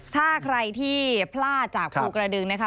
ถ้าใครที่พลาดจากภูกระดึงนะคะ